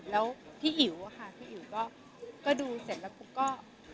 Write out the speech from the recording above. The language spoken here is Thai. แล้วที่อิ๋วค่ะที่อิ๋วก็ดูเสร็จแล้วก็